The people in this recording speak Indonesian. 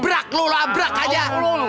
selalu labrak labrak aja